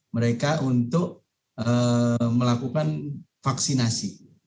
mereka untuk melakukan vaksinasi